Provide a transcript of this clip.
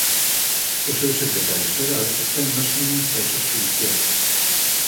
O seu secretario xeral está inmerso nunhas causas xudiciais.